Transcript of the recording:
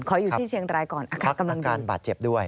ขออยู่ที่เชียงรายก่อนอ่ะค่ะกำลังดูพักกำหนดการบาดเจ็บด้วย